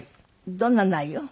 どんな内容？